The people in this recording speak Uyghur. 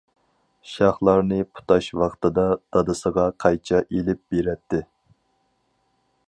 شاخلارنى پۇتاش ۋاقتىدا، دادىسىغا قايچا ئېلىپ بېرەتتى.